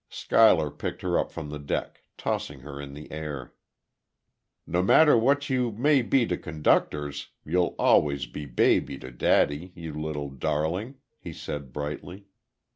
Schuyler picked her up from the deck, tossing her in the air. "No matter what you may be to conductors, you'll always be baby to daddy, you little darling," he said, brightly.